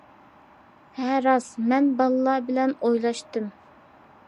ھە راست، مەن بالىلار بىلەن ئويلاشتىم.